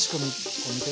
こう見て。